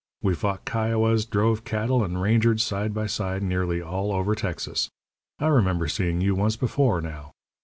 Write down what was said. We fought Kiowas, drove cattle, and rangered side by side nearly all over Texas. I remember seeing you once before, now.